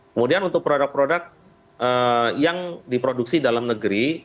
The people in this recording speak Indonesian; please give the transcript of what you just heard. kemudian untuk produk produk yang diproduksi dalam negeri